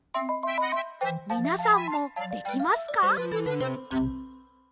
みなさんもできますか？